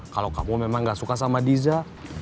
kalau kamu memang gak suka sama diza